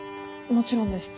もちろんです。